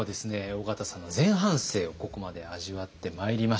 緒方さんの前半生をここまで味わってまいりました。